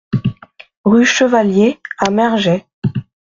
Rue Chevalier à Mergey